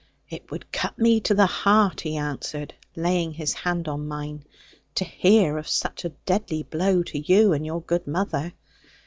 'It would cut me to the heart,' he answered, laying his hand on mine, 'to hear of such a deadly blow to you and your good mother.